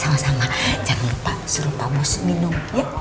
sama sama jangan lupa suruh pak mus minum ya